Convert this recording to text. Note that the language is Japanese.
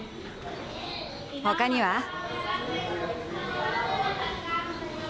他には？